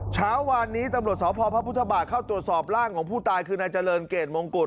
เช้าวานนี้ตำรวจสพพระพุทธบาทเข้าตรวจสอบร่างของผู้ตายคือนายเจริญเกรดมงกุฎ